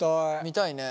見たいね。